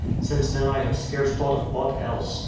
Since then I have scarce thought of aught else.